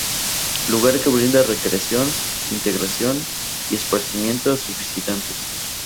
Lugar que brinda recreación, integración y esparcimiento a sus visitantes.